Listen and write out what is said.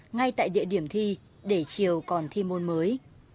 ngay tại địa điểm thi để chiều còn thi môn mới